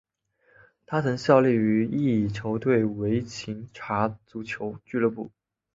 他曾效力于意乙球队维琴察足球俱乐部。